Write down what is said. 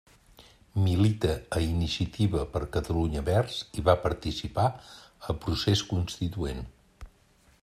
Milita a Iniciativa per Catalunya Verds i va participar a Procés Constituent.